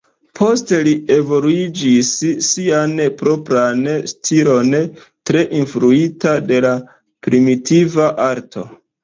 Poste li evoluigis sian propran stilon, tre influita de la primitiva arto.